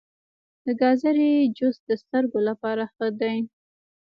د ګازرې جوس د سترګو لپاره ښه دی.